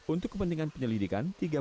untuk kepentingan penyelidikan